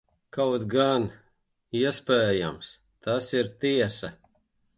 Kaut gan, iespējams, tas ir tiesa.